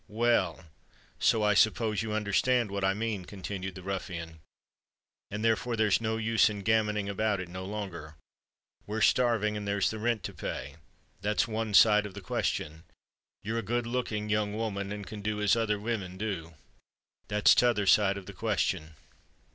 "Well—so I suppose you understand what I mean," continued the ruffian; "and, therefore, there's no use in gammoning about it no longer. We're starving, and there's the rent to pay: that's one side of the question. You're a good looking young o'oman, and can do as other vimen do: that's t'other side of the question."